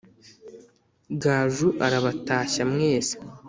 gaju arabatashya mwese